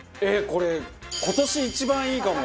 これ今年一番いいかも俺。